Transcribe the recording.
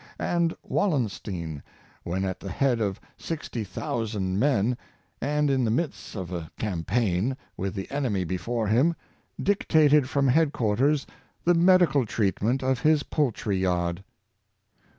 And Wal lenstein, when at the head of 60,000 men, and in the midst of a campaign, with the enemy before him, dic tated from headquarters the medical treatment of his poultry yard.